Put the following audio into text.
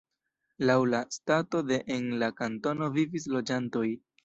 Laŭ la stato de en la kantono vivis loĝantoj.